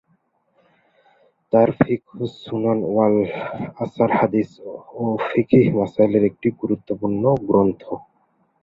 তাঁর ফিকহুসু-সুনন ওয়াল আছার হাদীস ও ফিক্হি মসাইলের একটি গুরুত্বপূর্ণ গ্রন্থ।